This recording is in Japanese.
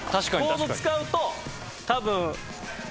ボード使うと多分。